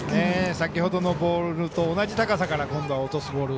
先ほどのボールと同じ高さから今度は落とすボール。